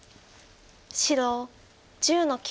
白１０の九。